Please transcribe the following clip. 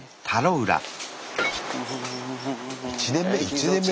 １年目？